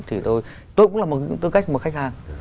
thì tôi tôi cũng là một tư cách khách hàng